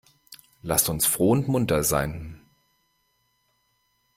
Lasst uns froh und munter sein!